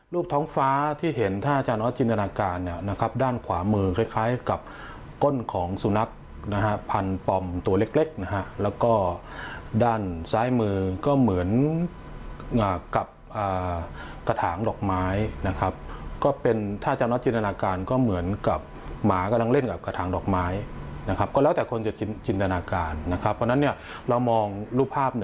ท้องฟ้าที่เห็นถ้าอาจารย์ออสจินตนาการเนี่ยนะครับด้านขวามือคล้ายกับก้นของสุนัขนะฮะพันปอมตัวเล็กนะฮะแล้วก็ด้านซ้ายมือก็เหมือนกับกระถางดอกไม้นะครับก็เป็นถ้าอาจารย์น้อยจินตนาการก็เหมือนกับหมากำลังเล่นกับกระถางดอกไม้นะครับก็แล้วแต่คนจะจินตนาการนะครับเพราะฉะนั้นเนี่ยเรามองรูปภาพ